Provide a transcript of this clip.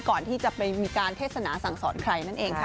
ก่อนที่จะไปมีการเทศนาสั่งสอนใครนั่นเองค่ะ